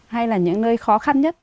hay là những nơi khó khăn nhất